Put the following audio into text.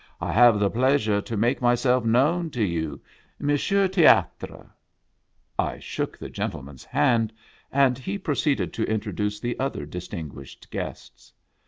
I have the pleasure to make myself known to you, — Monsieur Teatre." I shook the gentleman's hand, and he proceeded to introduce the other distinguished guests.